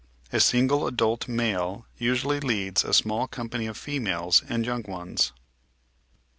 A single adult male usually leads a small company of females and young ones.